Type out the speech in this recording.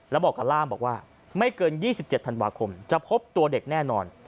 แล้วบอกกับร่ามบอกว่าไม่เกิน๒๗ธันวาคมจะพบตัวเด็กแน่นอน